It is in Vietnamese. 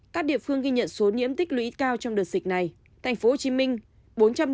các địa phương ghi nhận số nhiễm tích lũy cao trong đợt dịch này